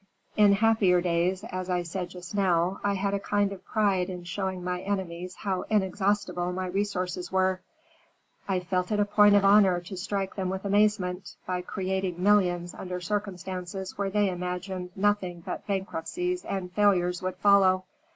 In happier days, as I said just now, I had a kind of pride in showing my enemies how inexhaustible my resources were; I felt it a point of honor to strike them with amazement, by creating millions under circumstances where they imagined nothing but bankruptcies and failures would follow.